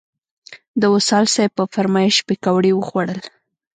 د وصال صیب په فرمایش پکوړې وخوړل.